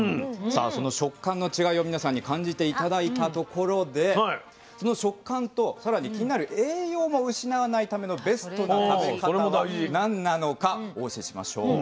さあその食感の違いを皆さんに感じて頂いたところでその食感とさらに気になる栄養を失わないためのベストな食べ方は何なのかお教えしましょう。